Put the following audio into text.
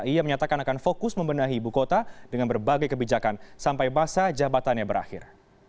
ia menyatakan akan fokus membenahi ibu kota dengan berbagai kebijakan sampai masa jabatannya berakhir